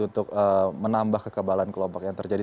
untuk menambah kekebalan kelompok yang terjadi